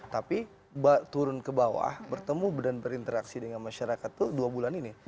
tapi turun ke bawah bertemu dan berinteraksi dengan masyarakat itu dua bulan ini